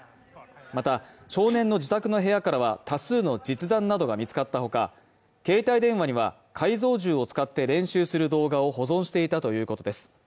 また少年の自宅の部屋からは多数の実弾などが見つかったほか携帯電話には改造銃を使って練習する動画を保存していたということです